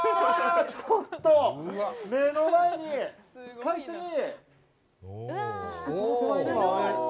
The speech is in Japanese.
ちょっと、目の前にスカイツリー。